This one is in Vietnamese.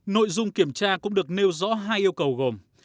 nội dung kiểm tra cũng được nêu rõ hai yêu cầu gồm